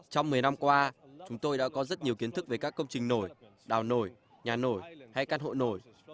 trong một mươi năm qua chúng tôi đã có rất nhiều kiến thức về các công trình nổi đào nổi nhà nổi hay căn hộ nổi